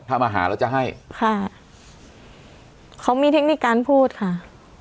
ถ้ามาหาแล้วจะให้ค่ะเขามีเทคนิคการพูดค่ะ